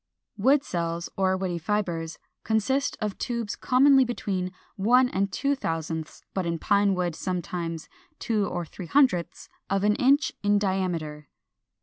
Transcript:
410. =Wood Cells, or Woody Fibres=, consist of tubes, commonly between one and two thousandths, but in Pine wood sometimes two or three hundredths, of an inch in diameter.